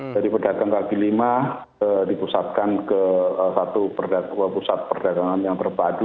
dari pedagang kaki lima dipusatkan ke satu pusat perdagangan yang terpadu